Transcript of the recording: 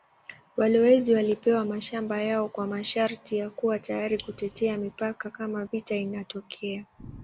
Walowezi walipewa mashamba yao kwa masharti ya kuwa tayari kutetea mipaka kama vita inatokea.